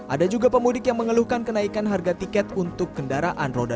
ada juga pemudik yang mengeluhkan kenaikan harga tiket untuk kendaraan roda dua